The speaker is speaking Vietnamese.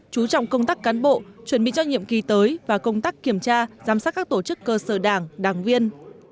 chú trọng công tác cán bộ chuẩn bị cho nhiệm kỳ tới và công tác kiểm tra giám sát các tổ chức cơ sở đảng đảng viên